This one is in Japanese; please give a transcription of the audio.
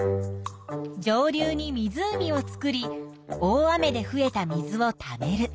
上流に湖を作り大雨で増えた水をためる。